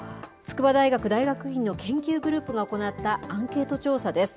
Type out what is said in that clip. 筑波大学大学院の研究グループが行ったアンケート調査です。